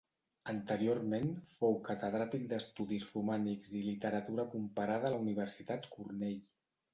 Anteriorment fou catedràtic d'Estudis Romànics i Literatura Comparada a la Universitat Cornell.